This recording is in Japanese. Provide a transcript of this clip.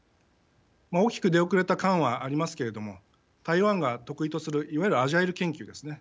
大きく出遅れた感はありますけれども台湾が得意とするいわゆる、アジャイル研究ですね